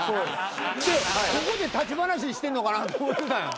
ここで立ち話してんのかなと思ってたんや。